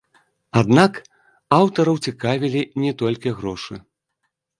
Аднак аўтараў цікавалі не толькі грошы.